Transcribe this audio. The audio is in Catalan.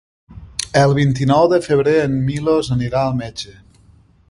El vint-i-nou de febrer en Milos anirà al metge.